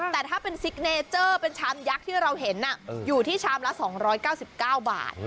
แต่ถ้าเป็นซิกเนเจอร์เป็นชามยักษ์ที่เราเห็นอยู่ที่ชามละ๒๙๙บาท